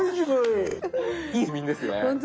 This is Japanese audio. いい睡眠ですよね。